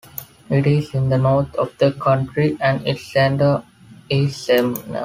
It is in the north of the country, and its center is Semnan.